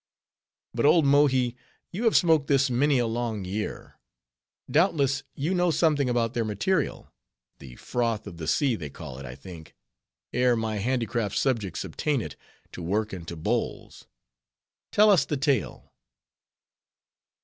But, old Mohi, you have smoked this many a long year; doubtless, you know something about their material—the Froth of the Sea they call it, I think—ere my handicraft subjects obtain it, to work into bowls. Tell us the tale."